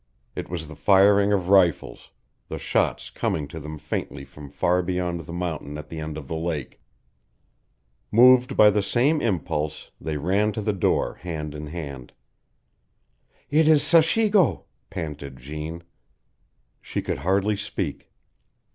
It was the firing of rifles, the shots coming to them faintly from far beyond the mountain at the end of the lake. Moved by the same impulse, they ran to the door, hand in hand. "It is Sachigo!" panted Jeanne. She could hardly speak.